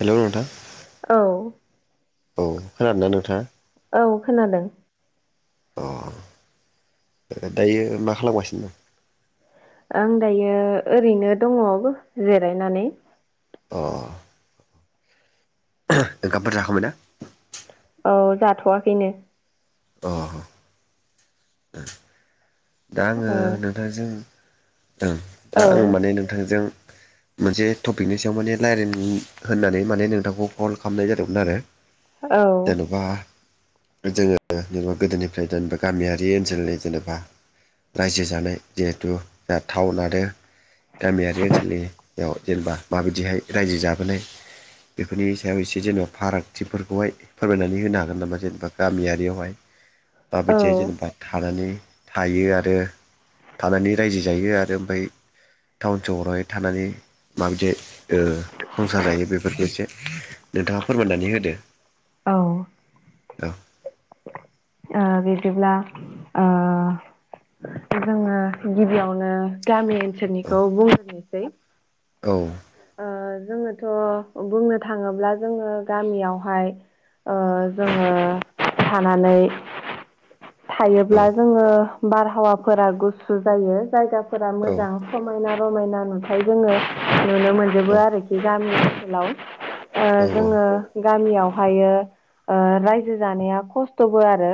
हेल' नोंथां। औ औ खोनादोंना नोंथाङा? औ खोनादों । अ दायो मा खालामगासिनो दं? आं दायो ओरैनो दङ दसे जिरायनानै । अह ओंखामफोर जाखांबाय ना? औ जाथ'वाखैनो अह दा आङो ओ नोंथांजों ओं दा औ आं माने नोंथांजों मोनसे टपिकनि सायाव माने रायज्लाय होननानै माने नोंथांखौ कल खालामनाय जादोंमोन आरो। औ जेनेबा जोङो जेनेबा गोदोनिफ्राय जेनेबा गामियारि ओनसोलनि जेनेबा रायजो जानाय जिहेथु दा थावन आरो गामियारि ओनसोलनियाव जेनेबा माबायदिहाय रायजो जाबोनाय बेफोरनि सायाव एसे जेनेबा फारागथिफोरखौहाय फोरमायनानै होनो हागोन नामा जेनेबा गामियारियावहाय औ माबायदिहाय जेनेबा थानानै थायो आरो थानानै रायजो जायो आरो ओमफाय टाउन सहरावहाय थानानै माबायदि संसार जायो बेफोरनि एसे नोंथाङा फोरमाननानै होदो औ आ बिदिब्ला आ जोङो गिबियावनो गामि औ ओनसोलनिखौ बुंलोननोसै औ ओ जोङोथ' बुंनो थाङोब्ला जोङो गामियावहाय ओ औ जोङो थानानै थायोब्ला जोङो बारहावाफोरा गुसु जायो जायगाफोरा औ मोजां समायना रमायना नुथाय जोङो नुनो मोनजोबो आरोखि गामि ओनसोलाव ओ औ औ जोङो गामियावहायो ओ‌ रायजो जानाया खस्थ'बो आरो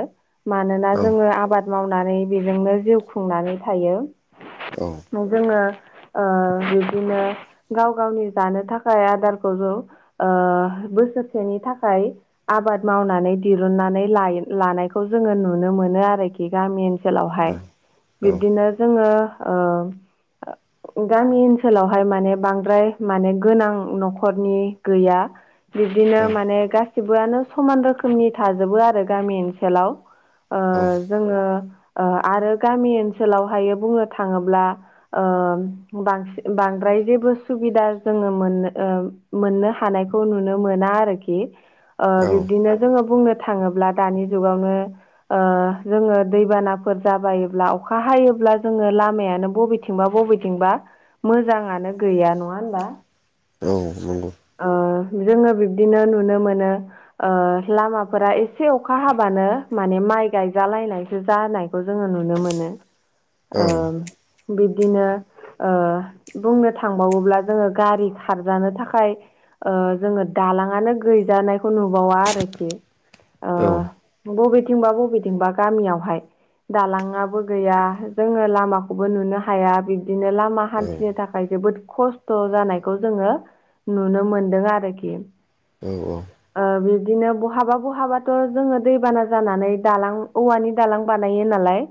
मानोना नंगौ औ जोङो आबाद मावनानै बेजोंनो जिउ खुंनानै थायो औ जोङो ओ बिदिनो गाव गावनि जानो थाखाय आदारखौ ज' ओ बोसोरसेनि थाखाय आबाद मावनानै दिरुननानै लायो लानायखौ जोङो नुनो मोनो आरोखि गामि ओनसोलावहाय बिब्दिनो जोङो ओ गामि ओनसोलावहाय माने बांद्राय माने गोनां न'खरनि गैया बिदिनो माने गासिबोआनो समान रोखोमनि थाजोबो आरो गामि ओनसोलाव ओ जोङो ओ आरो गामि ओनसोलावहाय बुंनो थाङोब्ला ओ बांसिन बांद्राय जेबो सुबिदा जोङो मोननो ओ मोननो हानायखौ नुनो मोना आरोखि ओ बिब्दिनो जोङो बुंनो थाङोब्ला दानि जुगावनो ओ जोङो दैबानाफोर जाबायोब्ला अखा हायोब्ला जोङो लामायानो बबे बबेथिंबा बबेथिंबा मोजाङानो गैया नङा होनोमबा औ नंगौ ओ जोङो बिब्दिनो नुनो मोनो ओ लामाफोरा एसे अखा हाबानो माने माइ गायजालायनायसो जानाय खौ जोङो नुनो मोनो [inaudible] ओ बिदिनो ओ बुंनो थांबावोब्ला जोङो गारि खार जानो थाखाय ओ जोङो दालाङानो गैजानायखौ नुबावा आरोखि औ बबेथिंबा बबेथिंबा गामियावहाय दालाङाबो गैया जोङो लामाखौबो नुनो हाया बिब्दिनो लामा हान्थिनो थाखाय जोबोद खस्थ' जानायखौ जोङो नुनो मोनदों आरोखि औ औ ओ बिदिनो बहाबा बहाबाथ' जोङो दैबाना जानानै दालां औवानि दालां बानायो नालाय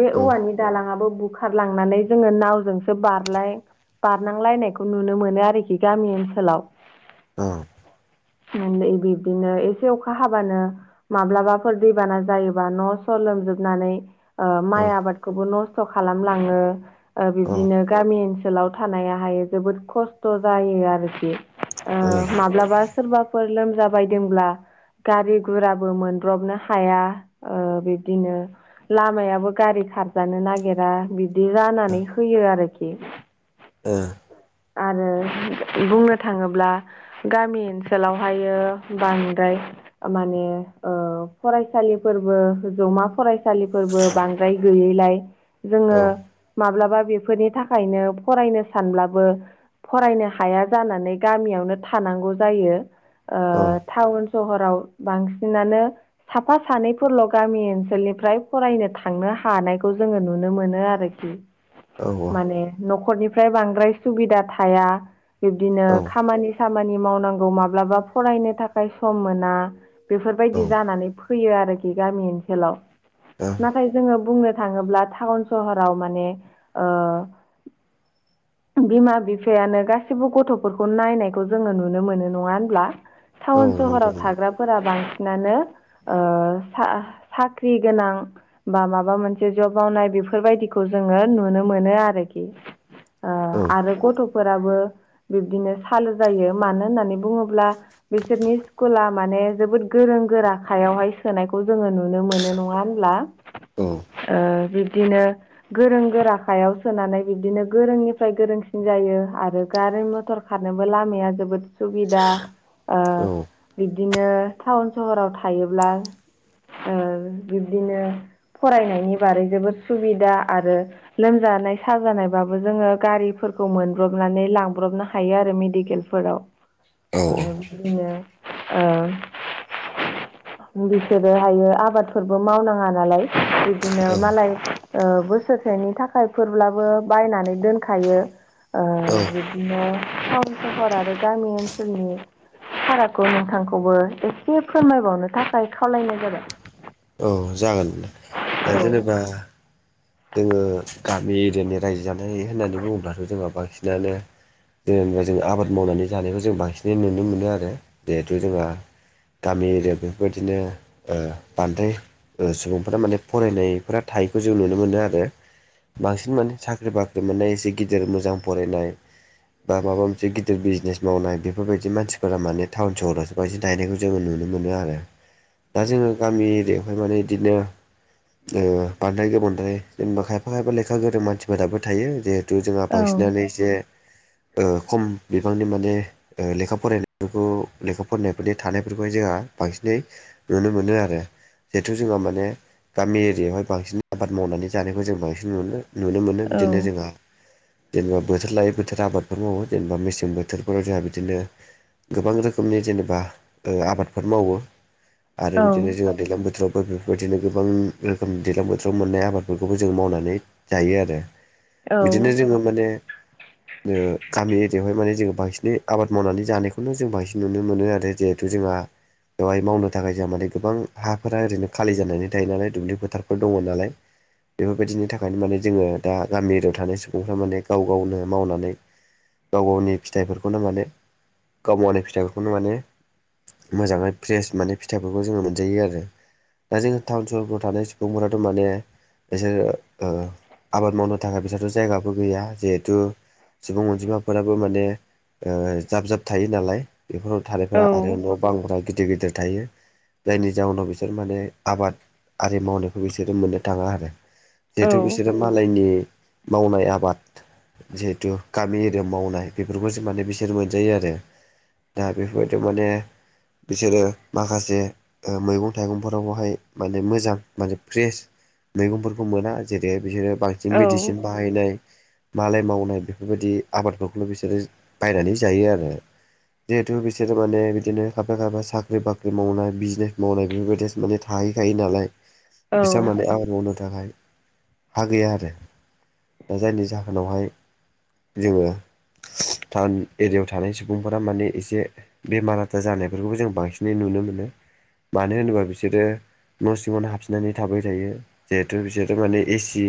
बे औवानि दालाङाबो बुखारलांनानै जोङो नावजोंसो बारलाय बारनांलायनायखौ नुनो मोनो आरोखि गामि ओनसोलाव अ बिब्दिनो एसे अखा हाबानो माब्लाबाफोर दैबाना जायोबा न' स' लोमजोबनानै ओ माइ आबादखौबो नस्थ' खालामलाङो ओ औ बिबदिनो गामि ओनसोलाव थानायाहाय जोबोद खस्थ' जायो आरोखि ओ माब्लाबा सोरबाफोर लोमजाबायदोंब्ला गारि गुराबो मोनब्रबनो हाया ओ बिब्दिनो लामायाबो गारि खारजानो नागिरा बिदि औ जानानै होयो आरोखि ओ आरो बुंनो थाङोब्ला गामि ओनसोलावहायो बांद्राय माने ओ फरायसालिफोरबो जौमा फरायसा सालिफोरबो बांद्राय गैयैलाय जोङो माब्लाबा बेफोरनि थाखाय थाखायनो फरायनो सानब्लाबो फरायनो हाया जानानै गामियावनो थानांगौ जायो। टाउन सहराव बांसिनानो साफा सानैफोरल' गामि ओनसोलनिफ्राय फरायनो थांनो हानायखौ जोङो नुनो मोनो आरोखि औ माने न'खरनिफ्राय बांद्राय सुबिदा थाया बिब्दिनो औ खामानि सामानि मावनांगौ माब्लाबा फरायनो थाखाय सम मोना बेफोरबायदि जानानै फैयो आरोखि गामि ओनसोलाव। नाथाय जोङो बुंनो थाङोब्ला थाउन सहराव माने ओ बिमा बिफायानो गासिबो गथ'फोरखौ नायनायखौ जोङो नुनो मोनो नङा होनब्ला? टाउन नंगौ सहराव नंगौ थाग्राफोरा बांसिनानो ओ साख्रि गोनां बा माबा मोनसे जब मावनाय बेफोरबायदिखौ जोङो नुनो मोनो आरोखि। ओ औ आरो गथ'फोराबो बिब्दिनो सालु जायो। मानो होननानै बुङोब्ला बिसोरनि स्कुला माने जोबोद गोरों गोराखायावहाय सोनायखौ जोङो नुनो मोनो नङा नङा होनब्ला। औ बिब्दिनो गोरों गोराखायाव सोनानै बिब्दिनो गोरोंनिफ्राय गोरोंसिन जायो। आरो गारि मथर खारनोबो लामाया जोबोद सुबिदा ओ बिब्दिनो टाउन सहराव थायोब्ला ओ बिब्दिनो फरायनायनि बारै जोबोद सुबिदा आरो लोमजानाय साजानाय बाबो जोङो गारिफोरखौ मोन ब्रबनानै लांब्रबनो हायो आरो मेडिकेलफोराव। औ औ बिदिनो ओ। [inaudible] बिसोरो हायो आबादफोरबो मावनाङा नालाय बिदिनो मालाय बोसोरसेनि थाखायफोरब्लाबो बायनानै दोनखायो। ओ बिदिनो थाउन सहर आरो गामि ओनसोलनि फारागखौ नोंथांखौबो एसे फोरमायबावनो थाखाय खावलायनाय जाबाय। औ जागोन। दा जेनेबा जोङो गामि एरियानि रायजो जानाय होननानै बुङोब्लाथ' जोंहा बांसिनानो जेनेबा जों आबाद मावनानै जानायखौ जों बांसिनै नुनो मोनो आरो। जिहेथु जोंहा गामि एरिआव बेफोरबायदिनो बांद्राय सुबुंफोरा माने फरायनायफोरा थायैखौ जों नुनो नुनो मोनो आरो। बांसिन माने साख्रि बाख्रि मोननाय एसे गिदिर मोजां फरायनाय बा माबा मोनसे गिदिर बिजनेस मावनाय बेफोरबायदि मानसिफोरा माने टाउन सहराव बे बायदि दायनायखौ जोङो नुनो मोनो आरो। दा जोङो गामि एरियायावहाय माने बिदिनो ओ बांद्राय गोमोन आरो जेनेबा खायफा खायफा लेखा गोरों मानसिफोराबो थायो। जिहेथु जोंहा औ बांसिनानो एसे खम बिबांनि माने लेखा फरायनायफोरखौ लेखा फरायनायफोरनि थानायफोरखौहाय जोंहा बांसिनै नुनो मोनो आरो। जिहेथु जोंहा माने गामि एरियावहाय बांसिन आबाद मावनानै जानायखौ जों बांसिन नुनो मोनो। बिदिनो औ जोंहा जेनेबा बोथोर लायै बोथोर आबादफोर मावो जेनेबा मेसें बोथोरफोराव जोंहा बिदिनो गोबां रोखोमनि जेनेबा आबादफोर मावो। औ आरो बिदिनो जोंना दैलां बोथोरावबो बेफोरबायदिनो गोबां रोखोमनि दैलां बोथोराव बोथोराव मोननाय आबादफोरखौबो जों मावनानै जायो आरो। बिदिनो जोङो माने गामि एरियायावहाय माने जोङो बांसिनै आबाद मावनानै जानायखौनो जों बांसिन नुनो मोनो आरो। जे जोंहा बेवहाय मावनो थाखाय जों माने गोबां हाफोरा ओरैनो खालि जानानै थायो नालाय दुब्लि फोथारफोर दङ नालाय बेफोरबायदिनि थाखायनो माने जोङो दा गामि एरियाव थानाय सुबुंफ्रा माने गाव गावनो मावनानै गाव गावनि फिथाइफोरखौनो माने गाव मावनाय फिथाइफोरखौनो माने मोजाङै फ्रेस माने फिथाइफोरखौ जोङो मोनजायो आरो दा जोङो टाउन सहरफ्राव थानाय दंफोराथ' माने बिसोरो आबाद मावनो थाखाय बिसोरथ जायगाबो गैया जिहेथु सुबुं अनजिमाफोराबो माने जाब जाब थायो नालाय बेफोराव औ थानायफोरा आरो न बागानफोरा गिदिर गिदिर थायो जायनि जाउनाव बिसोर माने आबाद आरि मावनाय बिसोरो मोननो थाङा आरो औ जिहेथु बिसोरो मालायनि मावनाय आबाद जिहेथु गामि एरियायाव मावनाय बेफोरखौसो माने बिसोरो मोनजायो आरो दा बेफोरबायदि माने बिसोरो माखासे मैगं थाइगंफोरावहाय माने मोजां माने फ्रेस मैगंफोरखौ मोना जेरैहाय बिसोरो औ बांसिन मेडिसिन बाहायनाय मालाय मावनाय बेफोरबायदि आबादफोरखौल' बिसोरो बायनानै जायो आरो जिहेथु बिसोरो माने बिदिनो खायफा खायफा साख्रि बाख्रि मावनाय बिजनेस मावनाय बेफोरबायदि माने हाहैखाय नालाय बिसोर मान आबाद मावनो थाखाय हा गैया आरो दा जायनि जाहोनावहाय जोंङो टाउन एरियायाव थानाय सुबुंफोरा माने एसे बेमार आजार जानायफोरखौबो जों बांसिनै नुनो मोनो मानो होनोबा बिसोरो न सिमाव हाब बिनानै थाबाय थायो जिहेथु बिसोरो माने एसि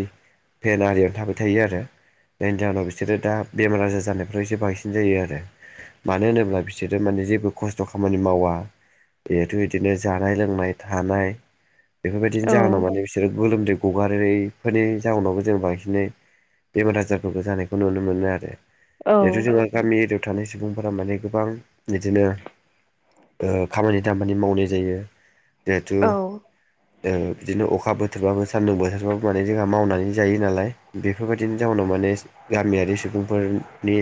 फेन आरियावनो थाबाय थायो आरो जायनि जाहोनाव बिसोरो दा बेमार आजार जानायफ्राव एसे बांसिन जायो आरो मानो होनोब्ला बिसोरो माने जेबो खस्थ खामानि मावा बेहथ बिदिनो जानाय लोंनाय थानाय औ बेफोरबायदिनो जागोन माने बिसोरो गोलोमदै ग हवारिफोरनि जाउनावबो जों बांसिनै बेमार आजारफोरखौ जानायखौ नुनो मोनो आरो औ जेहेथु जोंहा गामि एरियायाव थानाय सुबुंफोरा माने गोबां बिदिनो खामानि दामानि मावनाय जायो जिहेथु बिदिनो अखा बोथोरबाबो सान्दुं बोथोरबाबो माने जोंहा मावनानै जायो नालाय बेफोरबायदिनि जाउनाव माने गामियारि सुबुंफोरनि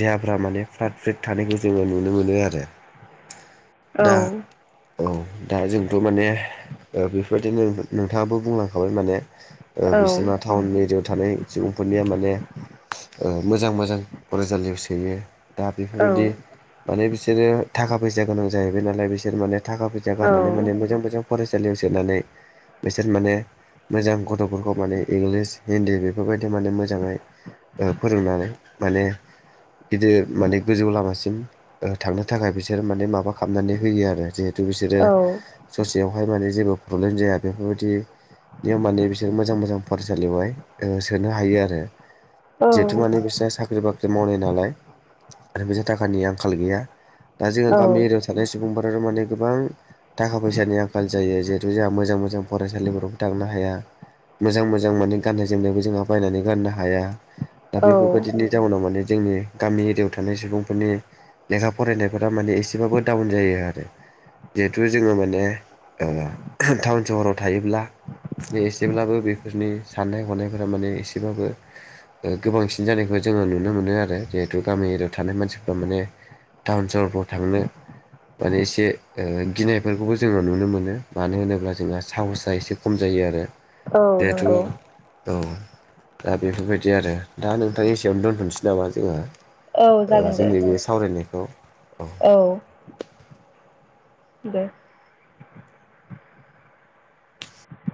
देहाफ्रा माने फ्रात फ्रिट थानायखौ जोंङो नुनो मोनो आरो दा औ दा जोंथ माने बेफोरबायदिनो नोंथांङाबो बुंलांखाबाय माने बिसना टाउन एरियायाव थानाय सुबुंफोरनिया माने मोजां मोजां फरायसालियाव सोयो दा बेफोरबायदि माने बिसोरो थाखा फैसा गोनां जाहैबाय नालाय बिसोर माने थाखा फैसा गारनानै माने मोजां मोजां फरसा फरायसालियाव सोनानै बिसोर माने मोजां गथ'फोरखौ माने इंलिस हिन्दी बेफोरबायदि माने मोजांङै फोरोंनानै माने गिदिर माने गोजौ लामासिम थांनो थाखाय बिसोर माने माबा खालामनानै होयो आरो जिहेथु बिसोरो ससेयाव बेहाय माने जेबो प्रब्लेम जाया बेफोरबायाददि नि माने बिसोर मोजां मोजां फरायसालियावहाय सोनो हायो आरो जिहेथु माने बिस्रा साख्रि बाख्रि मावनाय नालाय आरो बिसोर थाखानि आंखाल गैया दा औ जोंहा गामि एरियायाव थानाय सुबुंफोरा माने गोबां थाखा फैसानि आख आाल जायो जिहेतु जोंहा मोजां मोजां फरायसालिफोरावबो थांनो हाया मोजां मोजां माने गाननाय जोमनायबो जोंहा बायनानै गाननो हाया दा औ बेफोरबायदिनो जाउनाव माने जोंनि गामि एरियायाव थानाय सुबुंफोरनि लेखा फरायनायफोरा माने एसेबाबो डाउन जायो आरो जिहेथु जोंङो माने अ टाउन सहराव थायोब्ला एसेब्लाबो बेफोरनि साननाय हनायफोरा माने एसेब्लााबबो गोबांसिन जानायखौ जोंङो नुनो मोनो आरो जिहेतु गामि एरियायाव थानाय मानसिफ्रा माने टाउन सहरफ्राव थांनो माने एसे गिनायफोरखौबो जोङो नुनो मोनो नों मानो होनोब्ला जोंहा साहसआ एसे खम जायो आरो औ दाथु नंगौ औ दा बेफोरबायदि आरो दा नोंथां एसेयावनो दोनथ'नोसै नामा जोङो? औ ओ जागोन दे जोंनि बे सावरायनायखौ औ दे